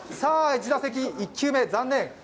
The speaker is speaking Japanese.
１打席、１球目、残念。